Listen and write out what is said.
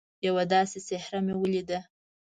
یوه داسي څهره مې ولیده